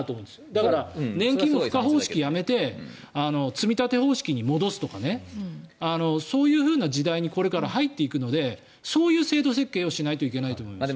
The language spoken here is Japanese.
だから、年金も賦課方式をやめて積み立て方式に戻すとかそういう時代にこれから入っていくのでそういう制度設計をしないといけないと思います。